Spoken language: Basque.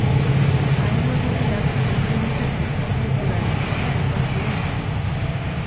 Haren web orriak urte luzez euskal kulturaren isla izan ziren sarean.